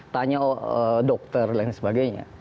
tanya dokter dan lain sebagainya